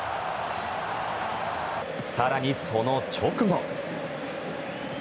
更にその直後。